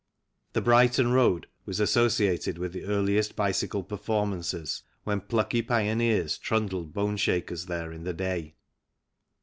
The Brighton Road was associated with the earliest bicycle performances, when plucky pioneers trundled bone shakers there in the day.